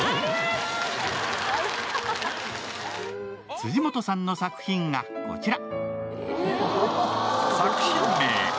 辻元さんの作品が、こちら。